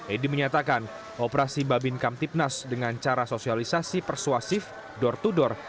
edi menyatakan operasi babin kamtipnas dengan cara sosialisasi persuasif door to door